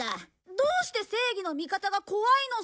どうして正義の味方が怖いのさ？